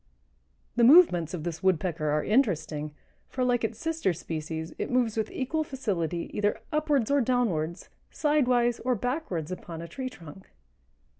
The movements of this Woodpecker are interesting, for, like its sister species, it moves with equal facility either upwards or downwards, sidewise or backwards upon a tree trunk.